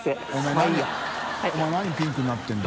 何ピンクになってるんだ。